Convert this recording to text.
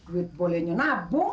duit bolehnya nabung